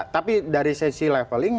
tapi dari sesi leveling